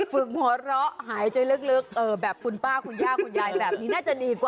เพราะคุณคนเดียว